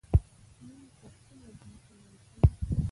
موږ به کومه ځمکه ولکه نه کړو.